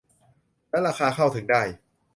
และราคาเข้าถึงได้